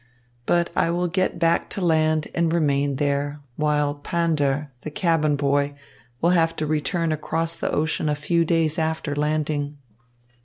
But I will get back to land and remain there, while Pander, the cabin boy, will have to return across the ocean a few days after landing."